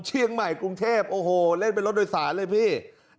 เชียงใหม่กรุงเทพโอ้โหเล่นเป็นรถโดยสารเลยพี่